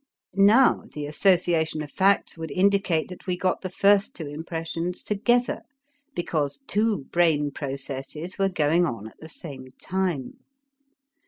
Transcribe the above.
Now the association of facts would indicate that we got the first two impressions together, because two brain processes were going on at the same time.